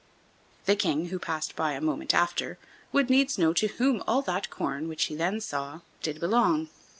The King, who passed by a moment after, would needs know to whom all that corn, which he then saw, did belong.